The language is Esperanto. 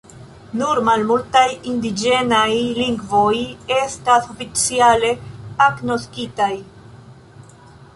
Nur malmultaj indiĝenaj lingvoj estas oficiale agnoskitaj.